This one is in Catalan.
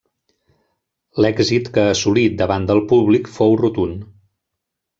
L'èxit que assolí davant del públic fou rotund.